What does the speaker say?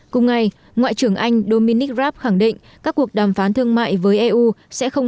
cùng ngày ngoại trưởng anh dominic raab khẳng định các cuộc đàm phán thương mại với eu sẽ không